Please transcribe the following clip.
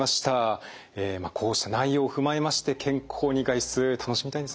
こうした内容を踏まえまして健康に外出楽しみたいですね。